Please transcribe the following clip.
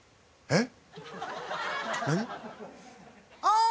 えっ？